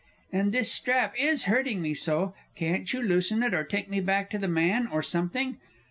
And this strap is hurting me so! Couldn't you loosen it, or take me back to the man, or something?